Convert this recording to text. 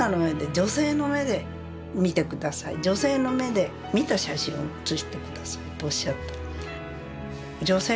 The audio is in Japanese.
女性の目で見た写真を写してください」とおっしゃったの。